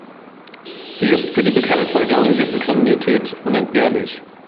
Sie ist für die Bekämpfung der organisierten Kriminalität unentbehrlich.